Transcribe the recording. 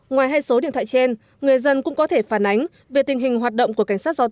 ngoài hai số điện thoại trên người dân cũng có thể phản ánh về tình hình hoạt động của cảnh sát giao thông